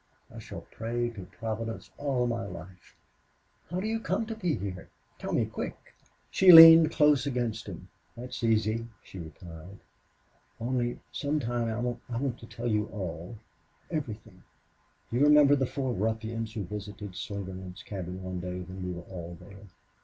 I shall pray to Providence all my life. How do you come to be here? Tell me, quick." She leaned close against him. "That's easy," she replied. "Only sometime I want to tell you all everything.... Do you remember the four ruffians who visited Slingerland's cabin one day when we were all there?